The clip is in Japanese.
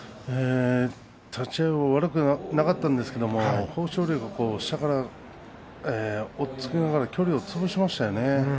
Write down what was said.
立ち合いは悪くなかったんですけれども豊昇龍が下から押っつけながら距離をつぶしましたね。